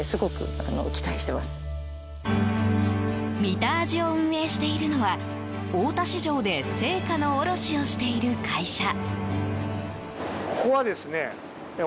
みたあじを運営しているのは大田市場で青果の卸をしている会社。